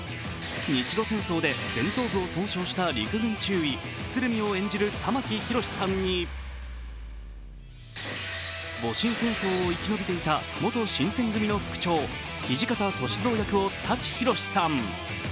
日露戦争で前頭部を尊重した陸軍中尉・鶴見を演じる玉木宏さんに戊辰戦争を生き延びていた元新選組の副長、土方歳三役の舘ひろしさん。